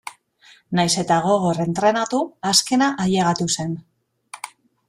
Nahiz eta gogor entrenatu azkena ailegatu zen.